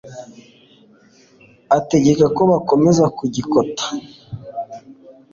ategeka ko bakomeza kukigota